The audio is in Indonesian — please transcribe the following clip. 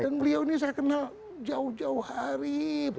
dan beliau ini saya kenal jauh jauh hari